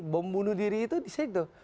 membunuh diri itu disitu